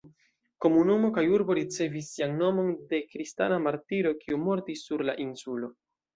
Komunumo kaj urbo ricevis sian nomon de kristana martiro, kiu mortis sur la insulo.